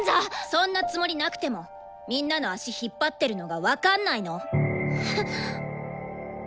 そんなつもりなくてもみんなの足引っ張ってるのが分かんないの？